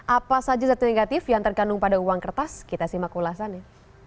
apa saja zat negatif yang terkandung pada uang kertas kita simak ulasannya